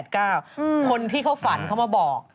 คนที่เขาฝันเขามาบอก